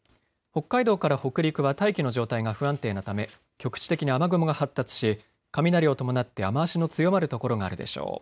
北海道から北陸は大気の状態が不安定なため局地的に雨雲が発達し雷を伴って雨足の強まる所があるでしょう。